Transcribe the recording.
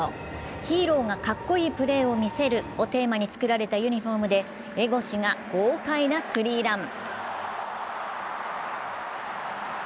ヒーローがかっこいいプレーを見せるをテーマに作られたユニフォームで江越が豪快なスリーラン。